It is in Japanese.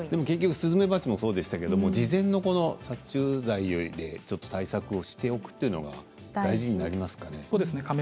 スズメバチもそうでしたけれども事前に殺虫剤で対策をしておくというのが大事になりますかね。